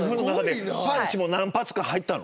パンチも何発か入ったの？